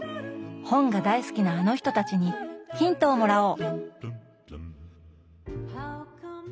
本が大好きなあの人たちにヒントをもらおう！